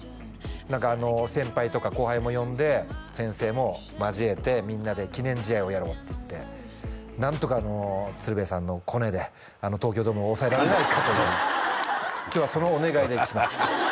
何か先輩とか後輩も呼んで先生も交えてみんなで記念試合をやろうって言って何とか鶴瓶さんのコネで東京ドームを押さえられないかという今日はそのお願いで来ました